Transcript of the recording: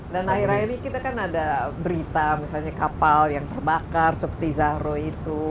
dan akhir akhir ini kita kan ada berita misalnya kapal yang terbakar seperti zahro itu